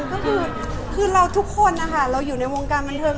ก็คือเราทุกคนนะคะเราอยู่ในวงการบันเทิง